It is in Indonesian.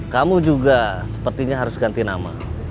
kamu juga sepertinya harus ganti nama